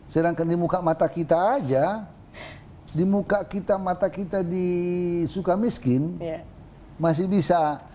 sedangkan di muka mata kita aja di muka kita mata kita di sukamiskin masih bisa